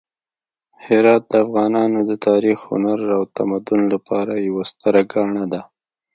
هرات د افغانانو د تاریخ، هنر او تمدن لپاره یوه ستره ګاڼه ده.